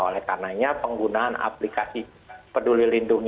oleh karenanya penggunaan aplikasi peduli lindungi